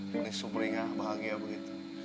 penuh sumber ingah bahagia begitu